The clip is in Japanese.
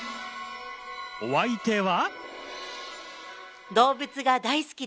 お相手は？